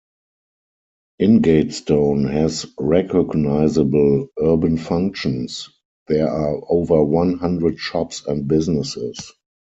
Ingatestone has recognisable urban functions; there are over one hundred shops and businesses.